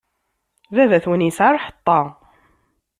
Baba-twen yesɛa lḥeṭṭa.